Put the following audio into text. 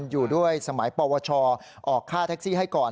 อยู่ด้วยสมัยปวชออกค่าแท็กซี่ให้ก่อน